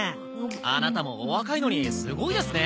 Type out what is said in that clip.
アナタもお若いのにすごいですね。